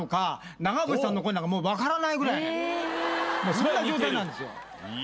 そんな状態なんですよ。